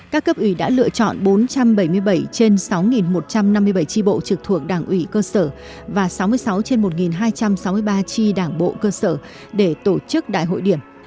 các cấp ủy đã lựa chọn bốn trăm bảy mươi bảy trên sáu một trăm năm mươi bảy tri bộ trực thuộc đảng ủy cơ sở và sáu mươi sáu trên một hai trăm sáu mươi ba tri đảng bộ cơ sở để tổ chức đại hội điểm